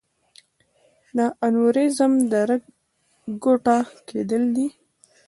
د انوریزم د رګ ګوټه کېدل دي.